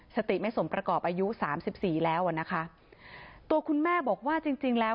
สติไม่สมประกอบอายุ๓๔แล้วนะคะตัวคุณแม่บอกว่าจริงแล้ว